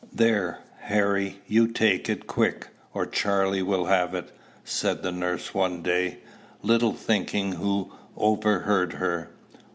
"There, Harry, you take it quick, or Charley will have it," said the nurse one day, little thinking who overheard her.